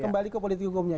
kembali ke politik hukumnya